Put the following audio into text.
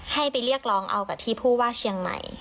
ให้ไปเรียกร้องเอากับที่ผู้ว่าเชียงใหม่